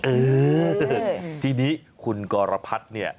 เออทีนี้คุณกรพัฒน์เนี่ย